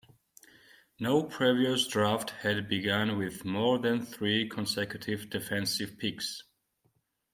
No previous draft had begun with more than three consecutive defensive picks.